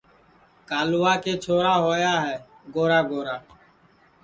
کالوا کے چھورا ہوا ہے گورا گورا